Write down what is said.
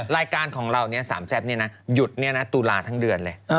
รายการของเรานี่๓แซ่บนี่นะหยุดนี่นะตุลาทั้งเดือนเลย